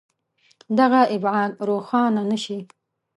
دغه ابعاد روښانه نه شي.